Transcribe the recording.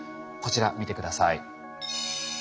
こちら見て下さい。